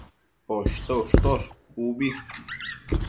Poshto ushtosh ubi